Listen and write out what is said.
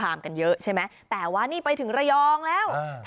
อารมณ์ของแม่ค้าอารมณ์การเสิรฟนั่งอยู่ตรงกลาง